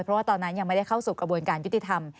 เพราะว่าตอนนั้นยังไม่ได้เข้าสู่กระบวนการยุติธรรม